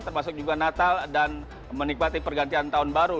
termasuk juga natal dan menikmati pergantian tahun baru